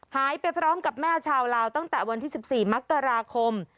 หายไปพร้อมกับแม่ชาวลาวตั้งแต่วันที่๑๔มกราคม